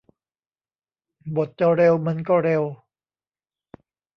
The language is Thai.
บทจะเร็วมันก็เร็ว